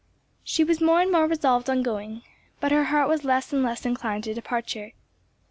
She was more and more resolved on going, but her heart was less and less inclined to departure.